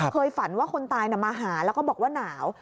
ฝันว่าคนตายมาหาแล้วก็บอกว่าหนาว